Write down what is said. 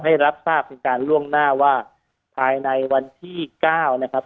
รับทราบเป็นการล่วงหน้าว่าภายในวันที่เก้านะครับ